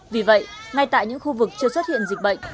vì vậy ngay tại những khu vực chưa xuất hiện dịch bệnh